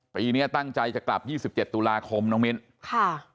ปีนี้ตั้งใจจะกลับ๒๗ตุลาคมน้องมิ้นค่ะ